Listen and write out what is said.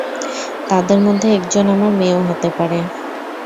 তাদের মধ্যে একজন আমার মেয়েও হতে পারে।